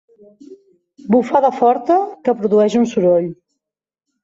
Bufada forta que produeix un soroll.